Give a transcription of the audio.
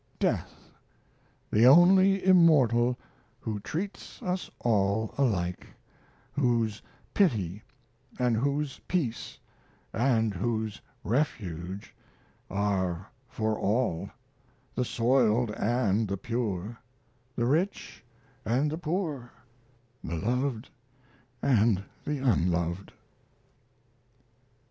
"Death the only immortal who treats us all alike, whose pity and whose peace and whose refuge are for all the soiled and the pure the rich and the poor the loved and the unloved."